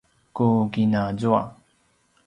ku kina zua